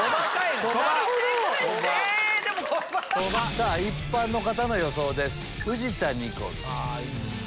さぁ一般の方の予想です。